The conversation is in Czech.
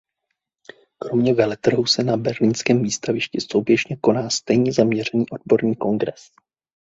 Kromě veletrhu se na berlínském výstavišti souběžně koná stejně zaměřený odborný kongres.